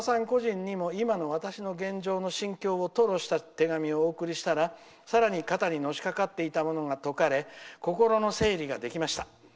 個人にも今の私の現状の心境を吐露した手紙をお送りしたら、さらに肩にのしかかっていたものが解かれ心の整理ができました。